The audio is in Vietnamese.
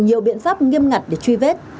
nhiều biện pháp nghiêm ngặt để truy vết